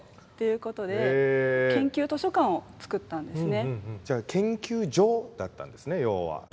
その時はじゃあ研究所だったんですね要は。